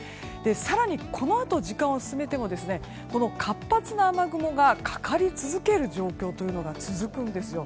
更に、このあと時間を進めても活発な雨雲がかかり続ける状況が続くんです。